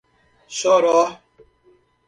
Choró